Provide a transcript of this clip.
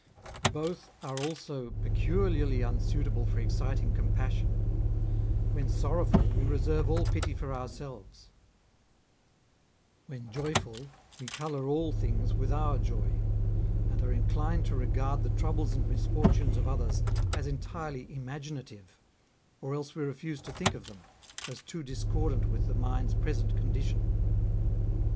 Both are also peculiarly unsuitable for exciting compassion : when sorrowful, we reserve all pity for ourselves ; when joyful, we colour all things with our joy, and are inclined to regard the troubles and misfortunes of others as entirely imaginative, or else we refuse to think of them, as too discordant with the mind's present condition.